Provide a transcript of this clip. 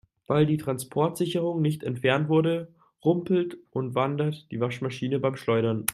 Weil die Transportsicherung nicht entfernt wurde, rumpelt und wandert die Waschmaschine beim Schleudern.